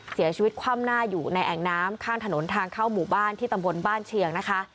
คว่ำหน้าอยู่ในแอ่งน้ำข้างถนนทางเข้าหมู่บ้านที่ตำบลบ้านเชียงนะคะ